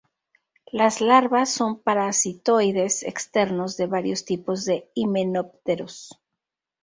Las larvas son parasitoides externos de varios tipos de himenópteros.